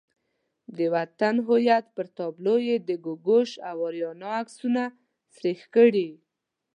د وطن هویت پر تابلو یې د ګوګوش او آریانا عکسونه سریښ کړي.